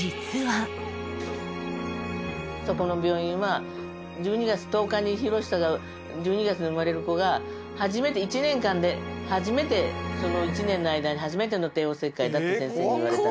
そこの病院は１２月１０日に博久が１２月に生まれる子が初めて１年間で初めて１年の間に初めての帝王切開だって先生に言われたの。